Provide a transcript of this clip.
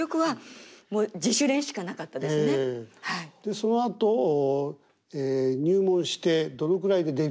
そのあと入門してどのぐらいでデビュー？